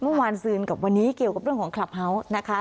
เมื่อคืนซืนกับวันนี้เกี่ยวกับเรื่องของคลับเฮาส์นะคะ